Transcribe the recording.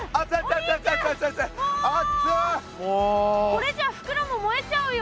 これじゃあ袋も燃えちゃうよ。